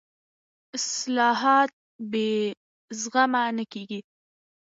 اصلاحات بې زغمه نه کېږي